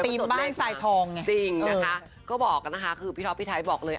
ตีมบ้านสายทองเนี่ยจริงนะคะก็บอกกันนะคะคือพี่ท้อพี่ท้ายบอกเลย